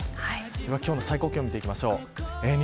では今日の最高気温見ていきましょう。